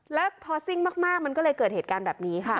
แล้วพอซิ่งมากมันก็เลยเกิดเหตุการณ์แบบนี้ค่ะ